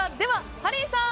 ハリーさん